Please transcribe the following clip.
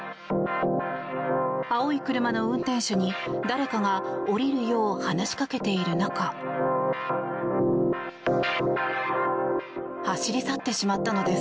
青い車の運転手に、誰かが降りるよう話しかけている中走り去ってしまったのです。